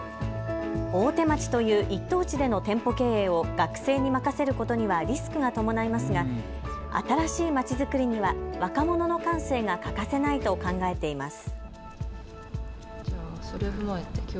大手町という１等地での店舗経営を学生に任せることにはリスクが伴いますが新しい街づくりには若者の感性が欠かせないと考えています。